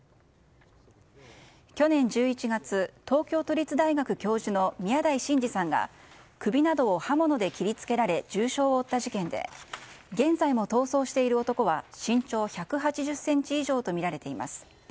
去年１１月、東京都立大学教授の宮台真司さんが首などを刃物で切り付けられ重傷を負った事件で現在も逃走している男は身長１８０ｃｍ以上とみられています。